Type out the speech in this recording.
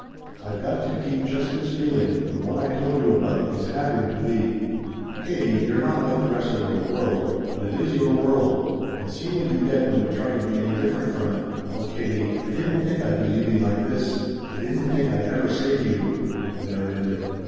I've got to keep just this feeling the one I told you about its having to be "Katie, you're not like the rest of your world, but it is your world and see what you get when you try to be any different from it! "Oh Katie I didn't think I'd be leaving like this. I didn't think I'd ever say to you " There it ended.